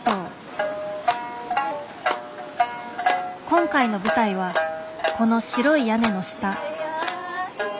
今回の舞台はこの白い屋根の下。